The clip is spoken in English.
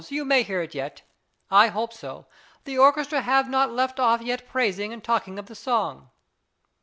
you may hear it yet. I hope so. The orchestra have not left off yet praising and talking of the song.